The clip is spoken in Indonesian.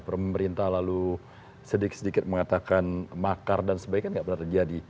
pemerintah lalu sedikit sedikit mengatakan makar dan sebagainya tidak pernah terjadi